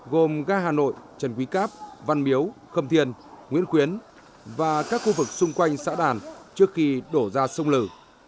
gồm ga hà nội trần quý cáp văn miếu khâm thiên nguyễn khuyến và các khu vực xung quanh xã đàn trước khi đổ ra sông lử